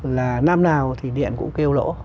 là năm nào thì điện cũng kêu lỗ